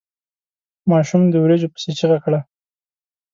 ماشوم د وريجو پسې چيغه کړه.